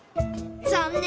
残念。